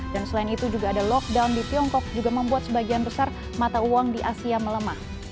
dan selain itu juga ada lockdown di tiongkok juga membuat sebagian besar mata uang di asia melemah